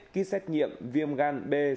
ký xét nghiệm viêm gan b c lao để bộ phận mua sắm